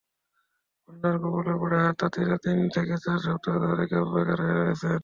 বন্যার কবলে পড়ে তাঁতিরা তিন থেকে চার সপ্তাহ ধরে বেকার হয়ে রয়েছেন।